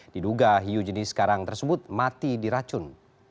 diduga hiu jenis karang tersebut mati diracun